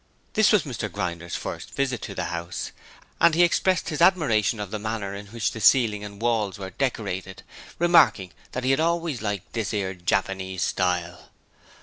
This was Mr Grinder's first visit at the house, and he expressed his admiration of the manner in which the ceiling and the walls were decorated, remarking that he had always liked this 'ere Japanese style.